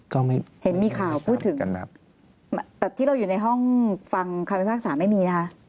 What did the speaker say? ก็ไม่มีไม่มีคำสั่งกันครับแต่ที่เราอยู่ในห้องฟังคำพิพากษาไม่มีไหมคะ